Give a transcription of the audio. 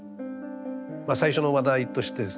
最初の話題としてですね